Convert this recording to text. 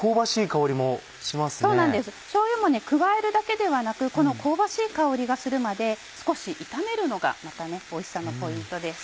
しょうゆも加えるだけではなくこの香ばしい香りがするまで少し炒めるのがまたおいしさのポイントです。